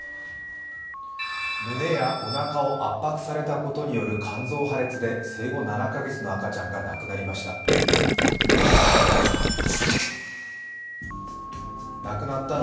胸やおなかを圧迫されたことによる肝臓破裂で生後７カ月の赤ちゃんが亡くなりました。